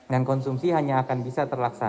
dan konsumsi hanya akan bisa terhubungan